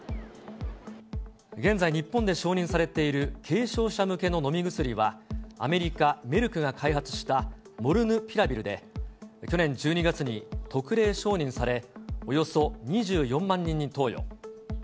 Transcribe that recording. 現在、日本で承認されている軽症者向けの飲み薬は、アメリカ・メルクが開発したモルヌピラビルで、去年１２月に特例承認され、およそ２４万人に投与。